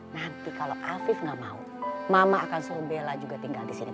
nanti kalau afif gak mau mama akan suruh bella juga tinggal di sini